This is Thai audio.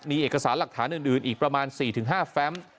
มีเอกสารหลักฐานอื่นอีกประมาณ๔๕แฟม